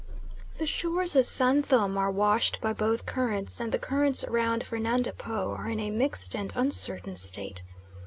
The shores of San Thome are washed by both currents, and the currents round Fernando Po are in a mixed and uncertain state.